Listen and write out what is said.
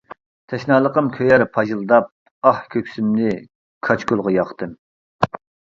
تەشنالىقىم كۆيەر پاژىلداپ، ئاھ كۆكسۈمنى كاچكۇلغا ياقتىم.